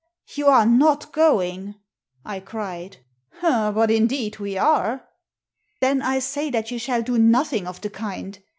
" You are not going ?" I cried. " But indeed we are." "Then I say that you shall do nothing of the kind.